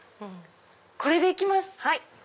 これで行きます。